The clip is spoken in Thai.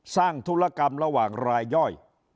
ธุรกรรมระหว่างรายย่อย